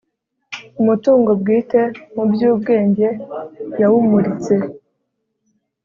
umutungo bwite mu byubwenge yawumuritse